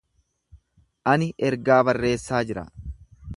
Ani ergaa barreessaa jira.